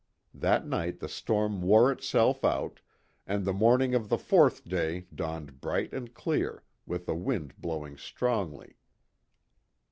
That night the storm wore itself out, and the morning of the fourth day dawned bright and clear, with a wind blowing strongly.